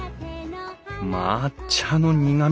抹茶の苦み